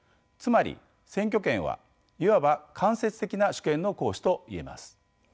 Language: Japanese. つまり選挙権はいわば間接的な主権の行使といえます。